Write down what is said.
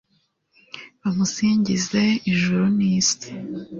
bamusingize, ijuru n'isi